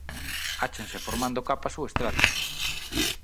Áchanse formando capas ou estratos.